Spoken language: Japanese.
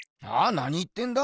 何言ってんだ？